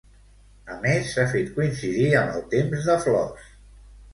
A més, s'ha fet coincidir amb el Temps de Flors.